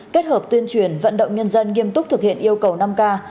kết hợp tuyên truyền vận động nhân dân nghiêm túc thực hiện yêu cầu năm k